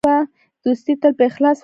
دوستي تل په اخلاص ولاړه وي.